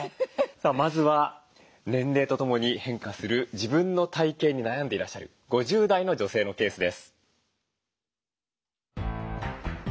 さあまずは年齢とともに変化する自分の体形に悩んでいらっしゃる５０代の女性のケースです。